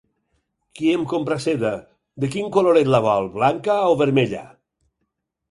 Qui em compra seda? De quin coloret la vol? Blanca o vermella?